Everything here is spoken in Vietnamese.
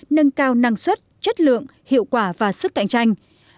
nâng cao năng suất chất lượng hiệu quả và sức cạnh tranh